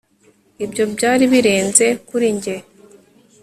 Ibyo byari birenze kuri njye